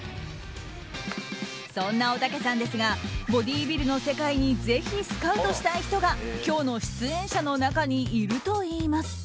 そんなおたけさんですがボディービルの世界にぜひスカウトしたい人が今日の出演者の中にいるといいます。